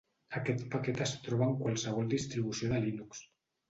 Aquest paquet es troba en qualsevol distribució de Linux.